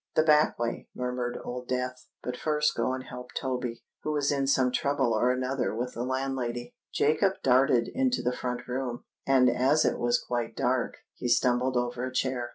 "The back way," murmured Old Death: "but first go and help Toby, who is in some trouble or another with the landlady." Jacob darted into the front room; and as it was quite dark, he stumbled over a chair.